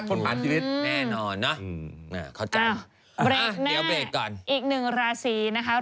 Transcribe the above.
นอนเนอะเข้าใจอ้าวเดี๋ยวเบรดก่อนอ้าวเบรดหน้าอีกหนึ่งราศีนะคะ